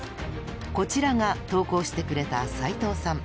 こちらが投稿してくれた齊藤さん。